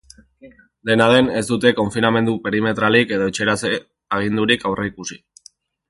Dena den, ez dute konfinamendu perimetralik edo etxeratze agindurik aurreikusi.